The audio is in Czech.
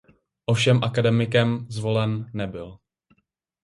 Ovšem akademikem zvolen nebyl.